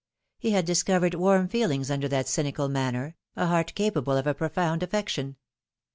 He had dis covered warm feelings under that cynical manner, a heart capable of a profound affection.